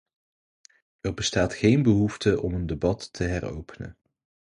Er bestaat geen behoefte om een debat te heropenen.